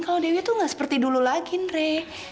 kalau dewi itu gak seperti dulu lagi dre